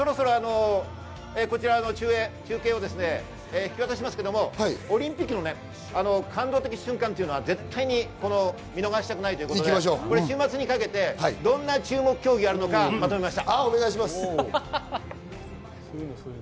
こちらの中継を引き渡しますが、オリンピックの感動的瞬間を見逃したくないということで週末にかけてどんな注目競技があるのかまとめました。